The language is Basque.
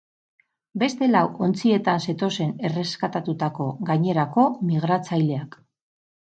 Beste lau ontzietan zetozen erreskatatutako gainerako migratzaileak.